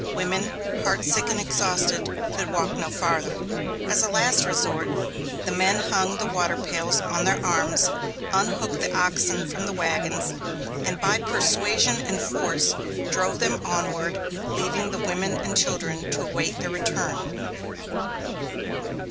Women, heartsick and exhausted, could walk no farther. As a last resort, the men hung the water pails on their arms, unhooked the oxen from the wagons, and by persuasion and force, drove them onward, leaving the women and children to await their return.